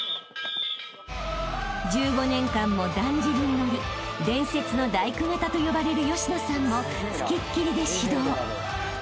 ［１５年間もだんじりにのり伝説の大工方と呼ばれる吉野さんも付きっきりで指導］